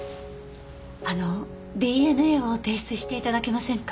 あのＤＮＡを提出して頂けませんか？